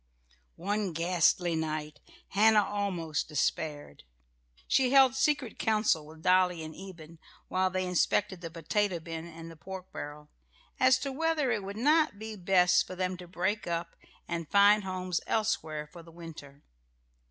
One ghastly night Hannah almost despaired. She held secret council with Dolly and Eben, while they inspected the potato bin and the pork barrel, as to whether it would not be best for them to break up and find homes elsewhere for the winter.